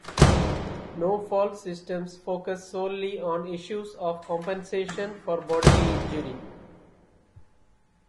No-fault systems focus solely on issues of compensation for bodily injury.